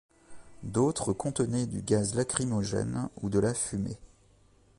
D'autres contenaient du gaz lacrymogène ou de la fumée.